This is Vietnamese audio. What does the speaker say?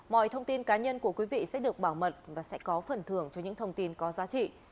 mọi thông tin cá nhân của quý vị sẽ được bảo mật và sẽ có phần thưởng cho những thông tin có giá trị